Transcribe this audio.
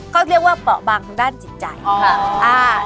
เขาเรียกว่าเปาะบางทางด้านจิตใจ